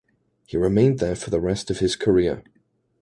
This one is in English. He remained there for the rest of his career.